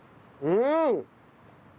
うん！